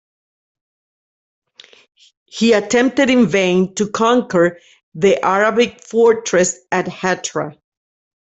He attempted in vain to conquer the Arabic fortress at Hatra.